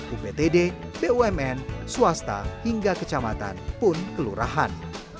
uptd bumn swasta hingga kecamatan pun kelurahan